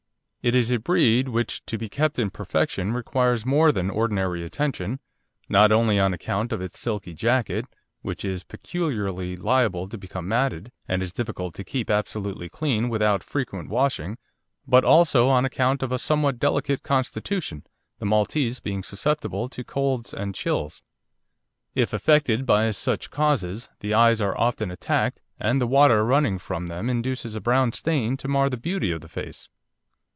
It is a breed which to be kept in perfection requires more than ordinary attention, not only on account of its silky jacket, which is peculiarly liable to become matted, and is difficult to keep absolutely clean without frequent washing, but also on account of a somewhat delicate constitution, the Maltese being susceptible to colds and chills. If affected by such causes, the eyes are often attacked, and the water running from them induces a brown stain to mar the beauty of the face.